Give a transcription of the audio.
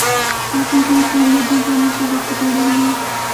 آپ ان کو یہ سہولت دیں، کون آپ کا ہاتھ پکڑ رہا ہے؟